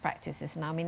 praktik terbaik sekarang